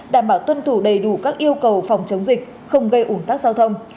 đảm bảo tuân thủ đầy đủ các yêu cầu phòng chống dịch không gây ủng tác giao thông